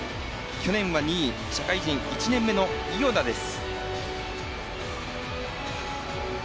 去年は２位、社会人１年目の伊與田です。